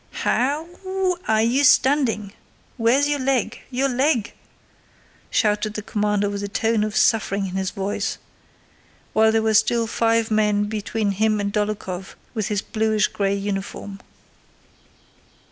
"H o o w are you standing? Where's your leg? Your leg?" shouted the commander with a tone of suffering in his voice, while there were still five men between him and Dólokhov with his bluish gray uniform.